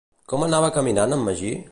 Com anava caminant en Magí?